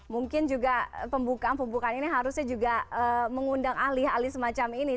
mungkin juga pembukaan pembukaan ini harusnya juga mengundang ahli ahli semacam ini